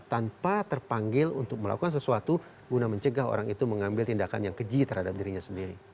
tanpa terpanggil untuk melakukan sesuatu guna mencegah orang itu mengambil tindakan yang keji terhadap dirinya sendiri